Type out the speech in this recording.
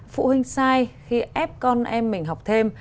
phụ huynh sai khi ép con em mình học thêm